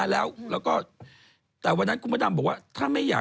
แล้วก็แต่วันนั้นคุณพระดำบอกว่า